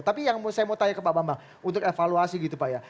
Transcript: tapi yang saya mau tanya ke pak bambang untuk evaluasi gitu pak ya